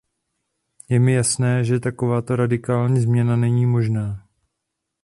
Je mi jasné, že takováto radikální změna není možná..